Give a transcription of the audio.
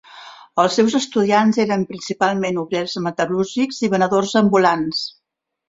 Els seus estudiants eren principalment obrers metal·lúrgics i venedors ambulants.